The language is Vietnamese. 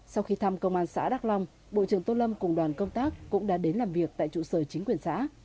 sau khi thăm công an xã đắk long bộ trưởng tô lâm cùng đoàn công tác cũng đã đến làm việc tại trụ sở chính quyền xã